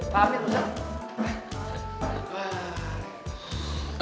pak amir pesen